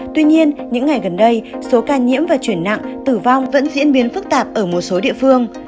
tuy nhiên những ngày gần đây số ca nhiễm và chuyển nặng tử vong vẫn diễn biến phức tạp ở một số địa phương